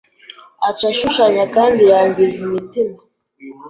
Aca ashushanya kandi yangiza imitima